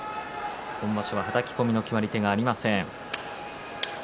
今場所ははたき込みの決まり手がありません。